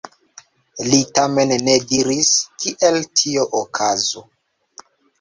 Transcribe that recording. Li tamen ne diris, kiel tio okazu.